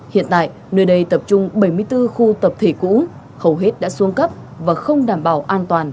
hiện tại nơi đây tập trung bảy mươi bốn khu tập thể cũ hầu hết đã xuống cấp và không đảm bảo an toàn